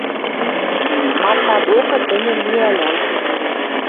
Марфа докы тӹньӹ миӓлӓл.